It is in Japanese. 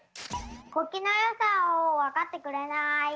国旗のよさをわかってくれない。